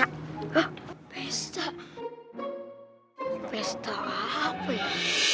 hai ah pesta pesta apa ya